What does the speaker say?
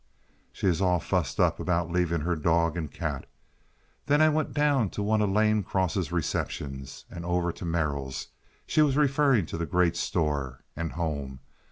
She is all fussed up about leaving her dog and cat. Then I went down to one of Lane Cross's receptions, and over to Merrill's"—she was referring to the great store—"and home.